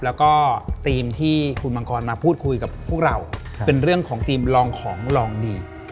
แล้วก็ทีมที่คุณมังกรมาพูดคุยกับพวกเราเป็นเรื่องของทีมลองของลองดี